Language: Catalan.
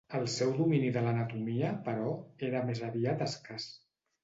El seu domini de l'anatomia, però, era més aviat escàs.